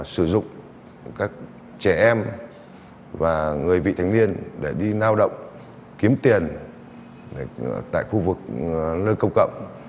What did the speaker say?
sử dụng các trẻ em và người vị thành niên để đi nao động kiếm tiền tại khu vực nơi công cộng